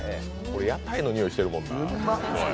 屋台のにおいしてるもんな。